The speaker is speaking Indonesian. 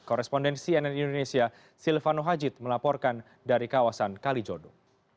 korespondensi nn indonesia silvano hajid melaporkan dari kawasan kalijodo